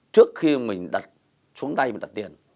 trước khi mình đặt xuống đây mình đặt tiền